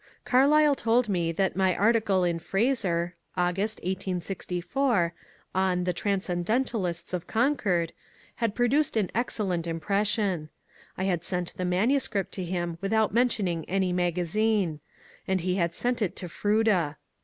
Car lyle told me that my article in *^ Fraser " (August, 1864) on ^< The Transcendentalists of Concord," had produced an ex cellent impression. I had sent the manuscript to him without mentioning any magazine ; and he had sent it to Froude.